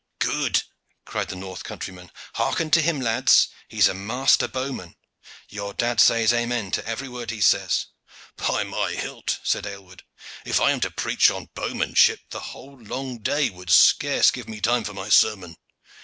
"Good!" cried the north countryman. "Hearken to him lads! He is a master bowman. Your dad says amen to every word he says." "By my hilt!" said Aylward, "if I am to preach on bowmanship, the whole long day would scarce give me time for my sermon.